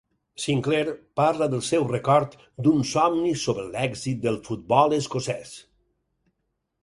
Sinclair parla del seu record d'un somni sobre l'èxit del futbol escocès.